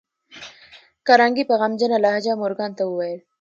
کارنګي په غمجنه لهجه مورګان ته وویل